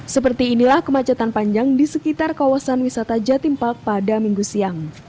seperti inilah kemacetan panjang di sekitar kawasan wisata jatim park pada minggu siang